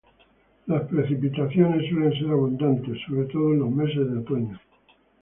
Las precipitaciones suelen ser abundantes, sobre todo en los meses de otoño.